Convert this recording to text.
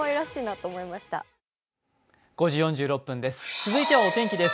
続いてはお天気です。